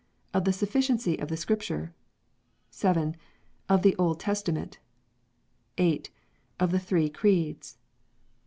Of the Sufficiency of the Scrip ture. 7. Of the Old Testament. 8. Of the Three Creeds.